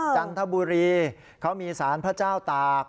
จันทบุรีเขามีสารพระเจ้าตาก